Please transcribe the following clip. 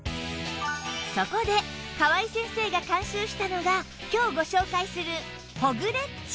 そこで川井先生が監修したのが今日ご紹介するホグレッチ